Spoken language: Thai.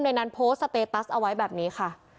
ในนั้นโพสต์สเตตัสเอาไว้แบบนี้ค่ะ